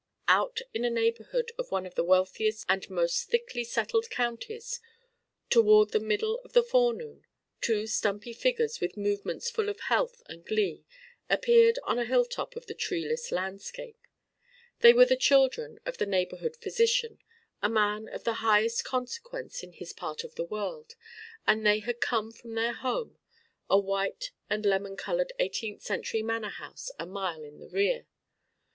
Out in a neighborhood of one of the wealthiest and most thickly settled counties, toward the middle of the forenoon, two stumpy figures with movements full of health and glee appeared on a hilltop of the treeless landscape. They were the children of the neighborhood physician, a man of the highest consequence in his part of the world; and they had come from their home, a white and lemon colored eighteenth century manor house a mile in their rear.